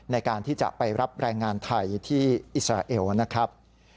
ในการที่จะไปรับแรงงานไทยที่อิสราเอลนะครับ